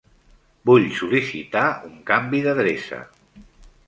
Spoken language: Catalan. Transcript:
Vull sol·licitar un canvi d'adreça.